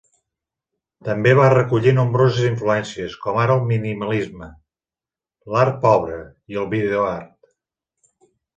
També va recollir nombroses influències, com ara el minimalisme, l'art pobre, i el videoart.